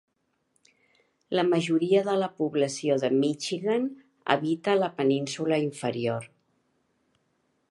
La majoria de la població de Michigan habita la península Inferior.